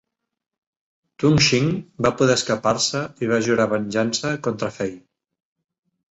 Tung Shing va poder escapar-se i va jurar venjança contra Fei.